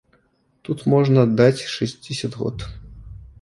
Тут можна даць шэсцьдзесят год.